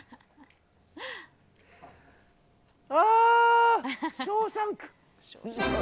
あー、ショーシャンク。